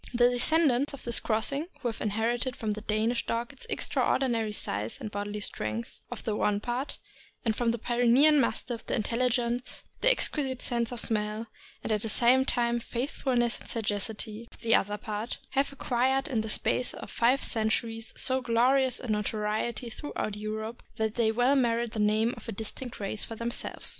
The descendants of this crossing, who have inherited from the Danish dog its extraordinary size and bodily strength of the one part, and from the Pyrenean Mastiff the intelligence, the exquisite sense of smell, and at the same time the faithfulness and sagacity, of the other part, have acquired in the space of five centuries so glorious a notoriety throughout Europe that they well merit the name of a distinct race for themselves.